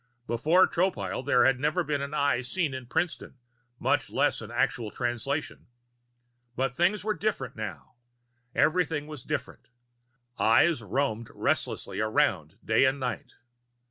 Before Tropile, there had never been an Eye seen in Princeton, much less an actual Translation. But things were different now. Everything was different. Eyes roamed restlessly around day and night.